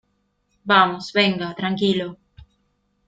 vamos. venga . tranquilo .